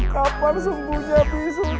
kapan sempunya bisul